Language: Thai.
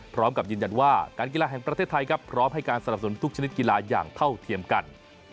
พร้อมกับยืนยันว่าการกีฬาแห่งประเทศไทยครับพร้อมให้การสนับสนุนทุกชนิดกีฬาอย่างเท่าเทียมกัน